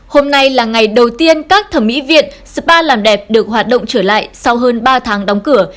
hôm nay là ngày đầu tiên các thẩm mỹ viện spa làm đẹp được hoạt động trở lại sau hơn ba tháng đóng cửa